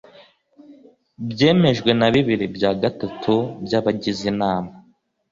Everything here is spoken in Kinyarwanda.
byemejwe na bibiri bya gatatu by’abagize inama